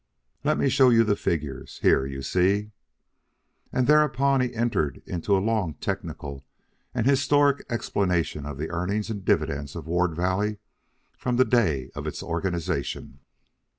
"Let me show you the figures. Here, you see..." And thereupon he entered into a long technical and historical explanation of the earnings and dividends of Ward Valley from the day of its organization.